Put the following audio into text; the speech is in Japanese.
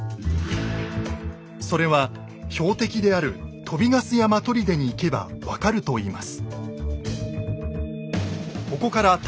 それは標的である鳶ヶ巣山砦に行けば分かるといいます